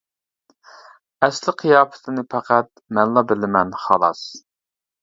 ئەسلىي قىياپىتىنى پەقەت مەنلا بىلىمەن، خالاس.